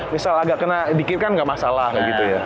misal agak kena dikit kan nggak masalah gitu ya